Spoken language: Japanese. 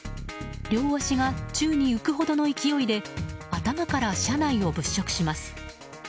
両足が宙に浮くほどの勢いで頭から車内を物色します。